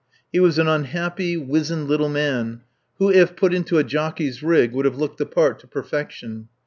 He was an unhappy, wizened little man, who if put into a jockey's rig would have looked the part to perfection.